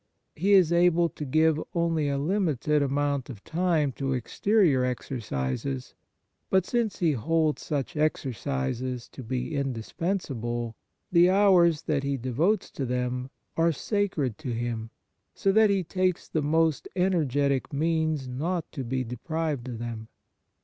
He is able to give only a 8 4 The Nature of Piety limited amount of time to exterior exercises, but, since he holds such exercises to be indispensable, the hours that he devotes to them are sacred to him, so that he takes the most energetic means not to be de prived of them.